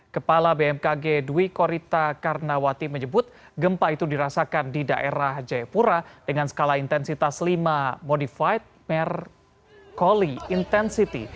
kepala bmkg dwi korita karnawati menyebut gempa itu dirasakan di daerah jayapura dengan skala intensitas lima modified mer coli intensity